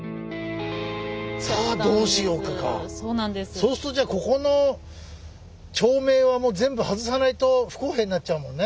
そうするとじゃあここの町名はもう全部外さないと不公平になっちゃうもんね。